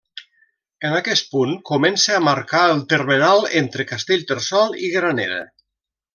En aquest punt comença a marcar el termenal entre Castellterçol i Granera.